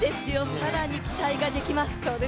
更に期待ができます。